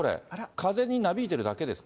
風になびいているだけですか？